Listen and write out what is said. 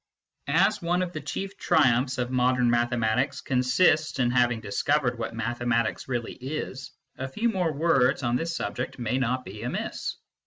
As one of the chief triumphs of modern mathematics consists in having discovered what mathematics really is, a few more words on this subject may not be amiss.